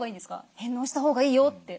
「返納したほうがいいよ」って。